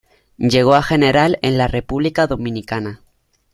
llegó a general en la República Dominicana.